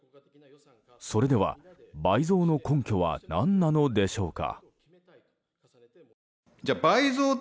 それでは倍増の根拠は何なのでしょうか。